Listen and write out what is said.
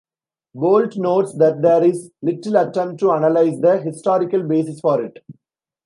Bolt notes that there is little attempt to analyse the historical basis for it.